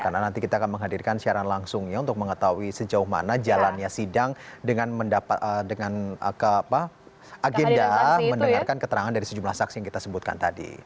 karena nanti kita akan menghadirkan siaran langsungnya untuk mengetahui sejauh mana jalannya sidang dengan agenda mendengarkan keterangan dari sejumlah saksi yang kita sebutkan tadi